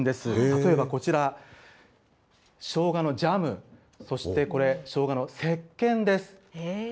例えばこちら、しょうがのジャム、そして、これ、しょうがのせっけんです。